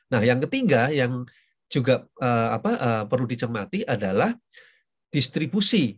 nah yang ketiga yang juga perlu dicermati adalah distribusi